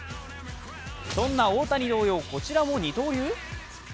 そんな大谷同様、こちらも二刀流？